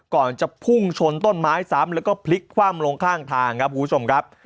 ก่อนจะพุ่งชนต้นไม้ซ้ำแล้วก็พลิกคว่ำลงข้างทางครับคุณผู้ชมครับ